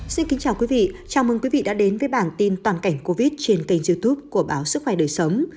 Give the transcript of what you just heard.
xin kính chào quý vị chào mừng quý vị đã đến với bản tin toàn cảnh covid trên kênh youtube của báo sức khỏe đời sống